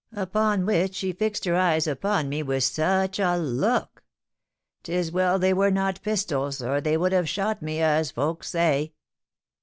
upon which she fixed her eyes upon me with such a look! 'Tis well they were not pistols, or they would have shot me, as folks say."